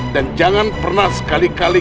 dan jangan pernah sekali kali